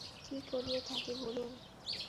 কী করিয়া থাকি বলুন।